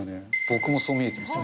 僕もそう見えてます。